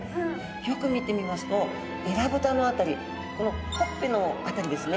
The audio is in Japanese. よく見てみますとえらぶたの辺りこのほっぺの辺りですね。